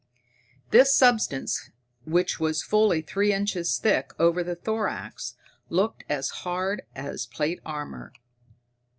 This substance, which was fully three inches thick over the thorax, looked as hard as plate armor.